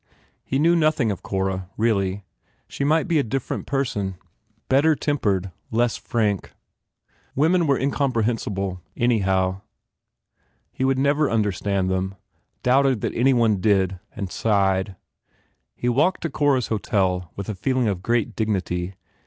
He knew nothing of Cora, really. She might be a different person, better tempered, less frank. Women were incompre hensible, anyhow. He would never understand them, doubted that anyone did and sighed. He walked to Cora s hotel with a feeling of great dignity.